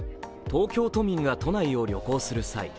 東京都民が都内を旅行する際